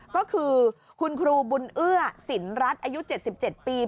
ก็คือคุณครูบุญเอื้อสินรัฐอายุ๗๗ปี